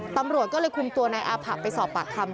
ตำรวจก็เลยคุมตัวนายอาผะไปสอบปากคำ